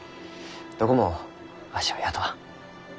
どこもわしを雇わん。